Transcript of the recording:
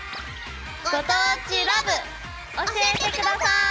「ご当地ＬＯＶＥ」教えて下さい！